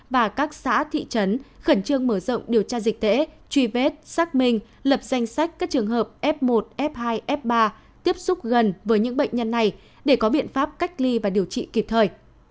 và các xã thị trấn khẩn trương mở rộng điều tra dịch tễ truy vết xác minh lập danh sách các trường hợp f một f hai f ba tiếp xúc gần với những bệnh nhân này để có biện pháp cách ly và điều trị kịp thời